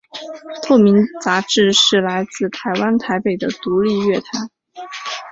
透明杂志是来自台湾台北的独立乐团。